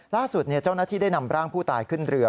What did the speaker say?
ล่าสุดเจ้าหน้าที่ได้นำร่างผู้ตายขึ้นเรือ